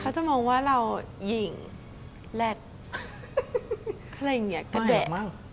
เขาจะมองว่าเราหญิงแร็ดอะไรอย่างนี้กระโดดมั่ง